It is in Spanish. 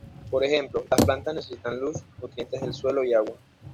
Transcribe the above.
Por ejemplo, las plantas necesitan luz, nutrientes del suelo y agua.